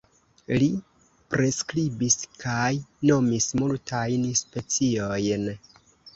Li priskribis kaj nomis multajn speciojn.